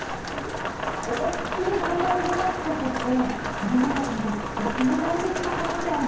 思いっきり体を動かすことって子どもたちにとってとっても大切なことだよね。